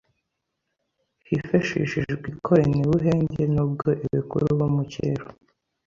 hifeshishijwe ikorenebuhenge, n’ubwo ebekuru bo mu cyero